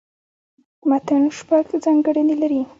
متن شپږ ځانګړني لري.